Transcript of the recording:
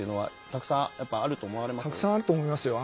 たくさんあると思いますよ。